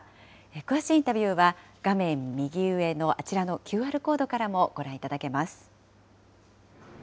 詳しいインタビューは、画面右上のあちらのＱＲコードからもご覧いただけます。